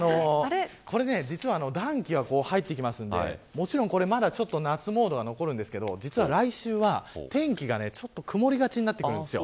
実は暖気が入ってくるのでまだ夏モードが残るんですけど実は来週は天気が曇りがちになってくるんです。